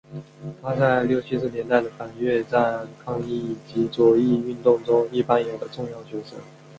他在六七十年代的反越战抗议及左翼运动中亦扮演了重要角色。